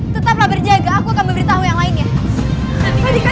tetaplah berjaga aku akan memberitahu yang lainnya tadi kadimah